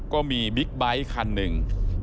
บิ๊กไบท์คันหนึ่ง